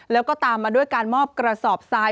แล้วก็ตามมาด้วยการมอบกระสอบทราย